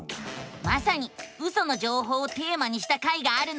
まさにウソの情報をテーマにした回があるのさ！